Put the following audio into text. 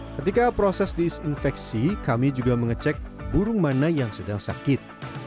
ketika proses disinfeksi kami juga mengecek burung mana yang sedang sakit